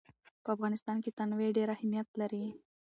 په افغانستان کې تنوع ډېر اهمیت لري.